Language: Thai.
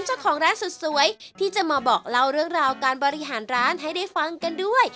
เจ้าของร้านสุดสวยที่จะมาบอกเล่าเรื่องราวการบริหารร้านให้ได้ฟังกันด้วย